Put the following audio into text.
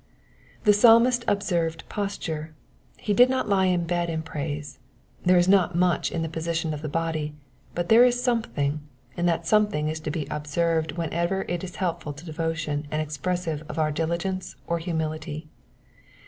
The Psalmist observed posture ; he did not lie in bed and praise. There is not much in the position of the body, but there is something, and that something is to be observed whenever it is helpful to devotion and expressive of our diligence or humility.